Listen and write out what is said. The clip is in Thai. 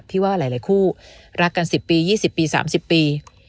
ที่ว่าหลายคู่รักกัน๑๐ปี๒๐ปี๓๐ปี